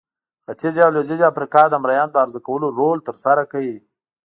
ختیځې او لوېدیځې افریقا د مریانو د عرضه کولو رول ترسره کړ.